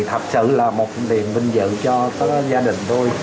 thật sự là một niềm vinh dự cho các gia đình tôi